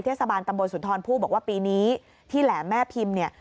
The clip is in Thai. เทศบาลตำบลสุนทรผู้บอกว่าปีนี้ที่แหลมแม่พิมพ์เนี่ย